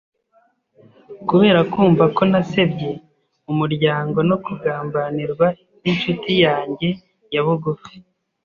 Kubera kumva ko nasebye mu muryango no kugambanirwa n’incuti yanjye ya bugufi,